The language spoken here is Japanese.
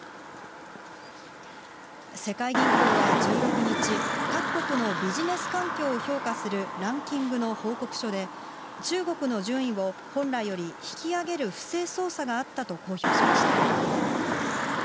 世界銀行は１６日、各国のビジネス環境を評価するランキングの報告書で、中国の順位を本来より引き上げる不正操作があったと公表しました。